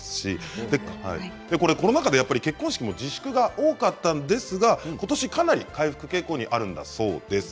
コロナ禍で結婚式も自粛が多かったんですがことしかなり回復傾向にあるんだそうです。